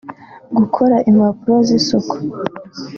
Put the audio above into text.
gukora impapuro z’isuku